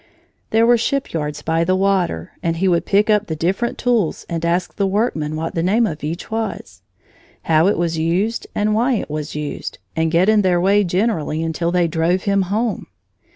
There were shipyards by the water, and he would pick up the different tools and ask the workmen what the name of each was, how it was used and why it was used, and get in their way generally until they drove him home.